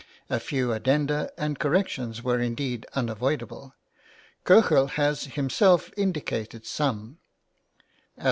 A few addenda and corrections were indeed unavoidable: Kochel has himself indicated some (Allg.